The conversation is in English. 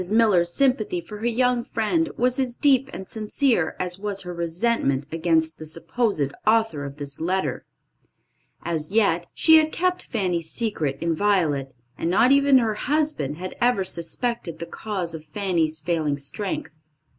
Miller's sympathy for her young friend was as deep and sincere as was her resentment against the supposed author of this letter. As yet, she had kept Fanny's secret inviolate, and not even her husband had ever suspected the cause of Fanny's failing strength.